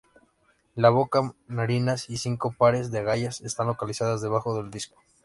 La boca, narinas y cinco pares de agallas están localizadas debajo del disco.